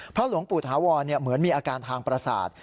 หลวงปู่ถาวรเหมือนมีอาการทางประสาท